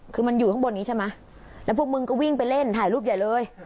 คือมันอยู่ข้างบนนี้ใช่ไหมแล้วพวกมึงก็วิ่งไปเล่นถ่ายรูปใหญ่เลย